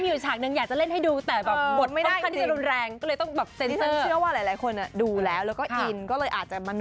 มีอยู่ฉากนึงอยากจะเล่นให้ดูแต่ม